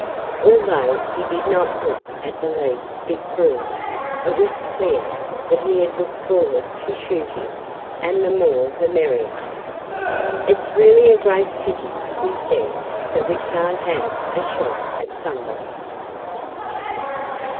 Although he did not look the least bit cruel, it was clear that he had looked forward to shooting and the more the merrier. "It's really a great pity," he said, "that we can't have a shot at somebody."